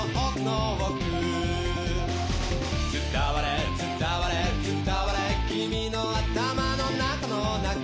「伝われ伝われ伝われ君の頭の中の中」